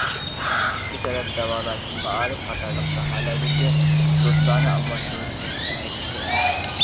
ئىككى تەرەپ داۋالاش، مائارىپ قاتارلىق ساھەلەردىكى دوستانە ئالماشتۇرۇشنى كېڭەيتىشى كېرەك.